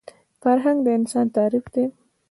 فرهنګ د انسان تعریف دی